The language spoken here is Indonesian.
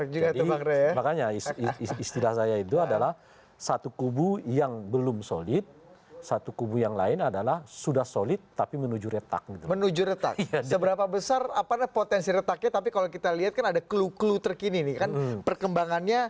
jelang penutupan pendaftaran